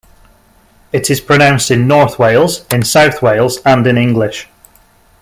It is pronounced in North Wales, in South Wales, and in English.